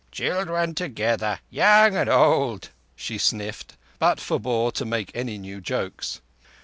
"Children together—young and old," she sniffed, but forbore to make any new jokes.